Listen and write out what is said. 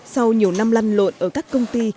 sau nhiều năm lăn lộn ở các công ty